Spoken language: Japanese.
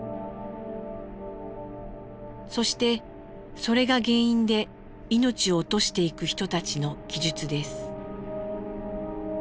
そしてそれが原因で命を落としていく人たちの記述です。